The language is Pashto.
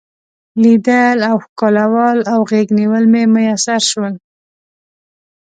لیدل او ښکلول او غیږ نیول مې میسر شول.